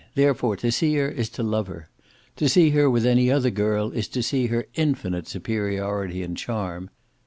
Therefore to see her is to love her. To see her with any other girl is to see her infinite superiority and charm.